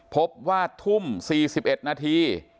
พบว่าทุ่ม๔๑นาที